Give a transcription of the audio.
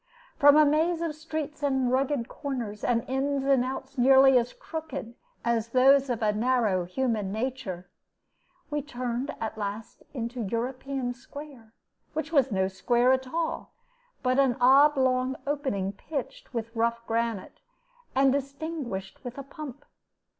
From a maze of streets and rugged corners, and ins and outs nearly as crooked as those of a narrow human nature, we turned at last into European Square, which was no square at all, but an oblong opening pitched with rough granite, and distinguished with a pump.